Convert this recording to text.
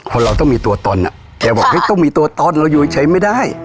คนเราต้องมีตัวตนอ่ะเขาบอกต้องมีตัวต้นเราอยู่อีกเฉยไม่ได้